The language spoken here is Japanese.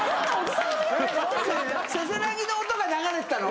せせらぎの音が流れてたの？